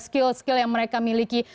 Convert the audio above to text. skill skill yang mereka miliki